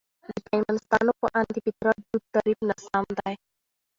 د فيمنستانو په اند: ''...د فطرت دود تعريف ناسم دى.